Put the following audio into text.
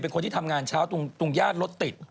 เป็นคนที่ทำงานเช้าตรงย่านรถติด